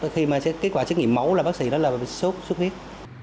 và khi mà kết quả xét nghiệm mẫu là bác sĩ đó là bị sốt sốt huyết